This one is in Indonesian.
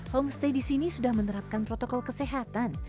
homestay di sini sudah menerapkan protokol kesehatan